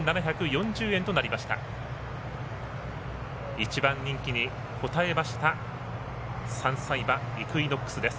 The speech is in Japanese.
１番人気に応えました３歳馬、イクイノックスです。